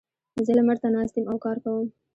زه لمر ته ناست یم او کار کوم.